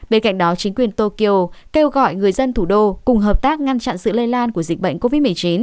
bên cạnh đó chính quyền tokyo kêu gọi người dân thủ đô cùng hợp tác ngăn chặn sự lây lan của dịch bệnh covid một mươi chín